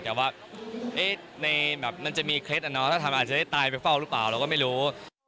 แต่ว่าในแบบมันจะมีเคล็ดอะเนาะถ้าทำอาจจะได้ตายไปเฝ้าหรือเปล่าเราก็ไม่รู้